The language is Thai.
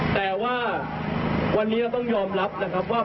แต่ว่าวันนี้เราต้องยอมรับนะครับว่า